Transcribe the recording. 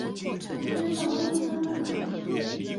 好想訪問他啊！